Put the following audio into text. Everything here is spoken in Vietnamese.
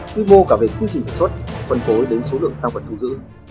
quy mô cả về quy trình sản xuất phân phối đến số lượng tăng vật thu giữ